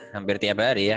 hampir tiap hari ya